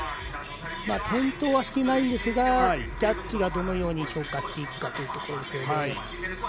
転倒はしていないんですがジャッジがどのように評価していくかですね。